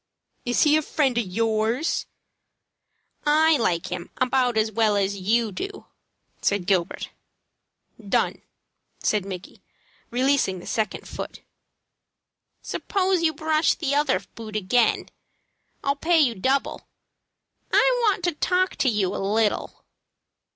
"Is he a friend of yours?" "I like him about as well as you do," said Gilbert. "Done!" said Micky, releasing the second foot. "Suppose you brush the other boot again. I'll pay you double. I want to talk to you a little."